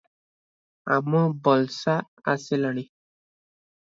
ଆମବଲସା ଆସିଲାଣି?